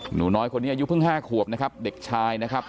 หนูน้อยคนนี้อายุเพิ่ง๕ขวบนะครับเด็กชายนะครับ